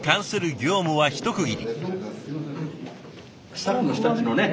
スタッフの人たちのね